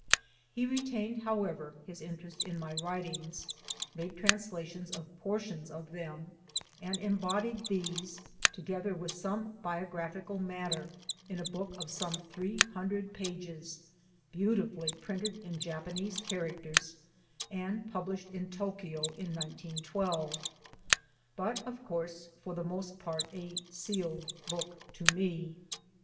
He retained however his interest in my writings, made translations of portions of them, and embodied these together with some biographical matter in a book of some three hundred pages beautifully printed in Japanese characters and published hi Tokyo in 1912; but of course for the most part a sealed book to me.